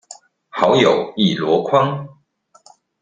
好友一籮筐